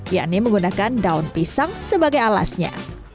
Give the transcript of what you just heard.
yakni menggunakan daun pisang sebagai alasnya